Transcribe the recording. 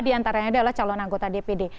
dua diantaranya adalah calon anggota dpd